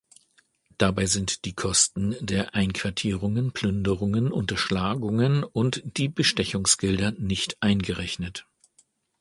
Dabei sind die Kosten der Einquartierungen, Plünderungen, Unterschlagungen und die Bestechungsgelder nicht eingerechnet.